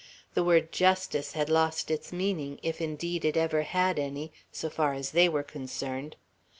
The word "justice" had lost its meaning, if indeed it ever had any, so far as they were concerned.